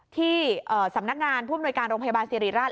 ที่สำนักงานผู้อำนวยการโรงพยาบาลสิริราช